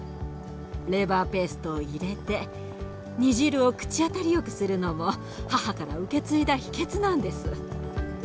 レバーペーストを入れて煮汁を口当たりよくするのも母から受け継いだ秘けつなんです。